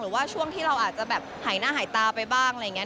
หรือว่าช่วงที่เราอาจจะแบบหายหน้าหายตาไปบ้างอะไรอย่างนี้